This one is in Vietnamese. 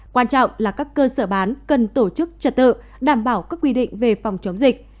quan trọng là các cơ sở bán cần tổ chức trật tự đảm bảo các quy định về phòng chống dịch